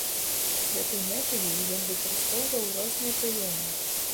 З гэтай мэтаю ён выкарыстоўваў розныя прыёмы.